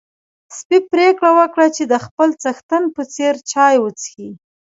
سپی پرېکړه وکړه چې د خپل څښتن په څېر چای وڅښي.